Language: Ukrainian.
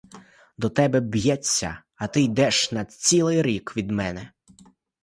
До тебе б'ється, а ти йдеш на цілий рік від мене!